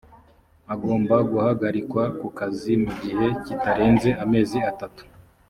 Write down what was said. agomba guhagarikwa ku kazi mu gihe kitarenze amezi atatu